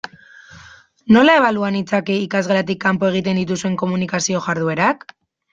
Nola ebalua nitzake ikasgelatik kanpo egiten dituzuen komunikazio jarduerak?